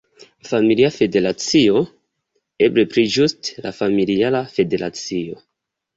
Familia Federacio, eble pli ĝuste la Familiara Federacio.